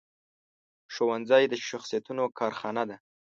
ښوونځی د شخصیتونو کارخانه ده